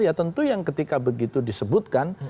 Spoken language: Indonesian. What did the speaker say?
ya tentu yang ketika begitu disebutkan